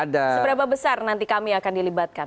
seberapa besar nanti kami akan dilibatkan